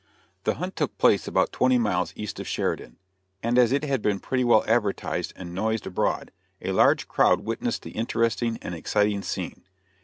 The hunt took place about twenty miles east of Sheridan, and as it had been pretty well advertised and noised abroad, a large crowd witnessed the interesting and exciting scene.